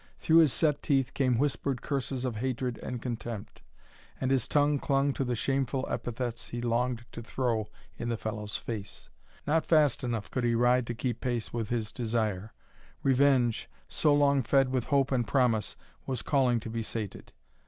Through his set teeth came whispered curses of hatred and contempt, and his tongue clung to the shameful epithets he longed to throw in the fellow's face. Not fast enough could he ride to keep pace with his desire. Revenge, so long fed with hope and promise, was calling to be sated.